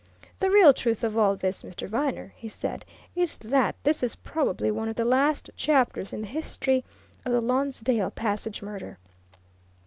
"The real truth of all this, Mr. Viner," he said, "is that this is probably one of the last chapters in the history of the Lonsdale Passage murder.